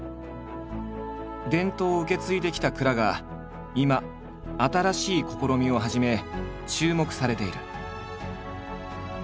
伝統を受け継いできた蔵が今新しい試みを始め注目されている。